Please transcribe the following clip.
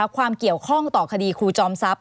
ความเกี่ยวข้องต่อคดีครูจอมทรัพย